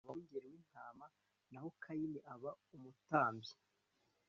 nuko abeli aba umwungeri w intama naho kayini aba umutambyi